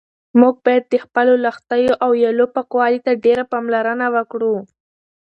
موږ باید د خپلو لښتیو او ویالو پاکوالي ته ډېره پاملرنه وکړو.